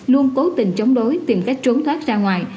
luôn cố tình chống đối tìm cách trốn thoát ra ngoài